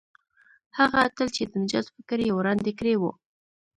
هغه اتل چې د نجات فکر یې وړاندې کړی وو.